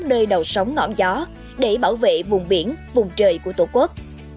nơi đầu sóng ngọn gió để bảo vệ vùng biển vùng trời của tổ quốc